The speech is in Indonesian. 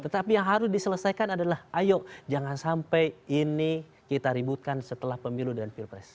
tetapi yang harus diselesaikan adalah ayo jangan sampai ini kita ributkan setelah pemilu dan pilpres